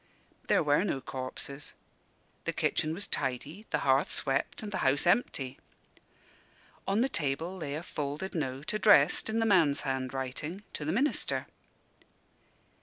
There were no corpses. The kitchen was tidy, the hearth swept, and the house empty. On the table lay a folded note, addressed, in the man's handwriting, to the minister.